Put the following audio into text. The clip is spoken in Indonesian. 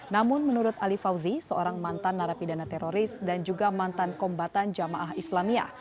namun menurut ali fauzi seorang mantan narapidana teroris dan juga mantan kombatan jamaah islamia